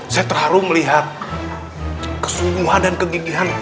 saya terharu melihat kesungguhan dan kegigihan